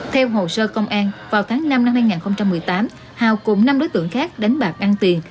theo hồ sơ công an vào tháng năm năm hai nghìn một mươi tám hào cùng năm đối tượng khác đánh bạc ăn tiền